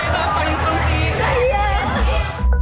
itu paling terkesan sih